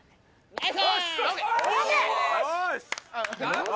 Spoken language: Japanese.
・ナイス！